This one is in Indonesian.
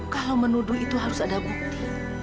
kalau menuduh itu harus ada bukti